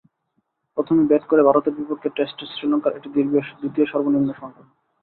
প্রথমে ব্যাট করে ভারতের বিপক্ষে টেস্টে শ্রীলঙ্কার এটি দ্বিতীয় সর্বনিম্ন সংগ্রহ।